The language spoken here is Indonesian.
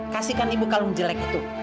kasihkan ibu kalung jelek itu